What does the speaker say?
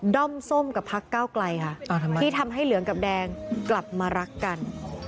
้อมส้มกับพักเก้าไกลค่ะที่ทำให้เหลืองกับแดงกลับมารักกัน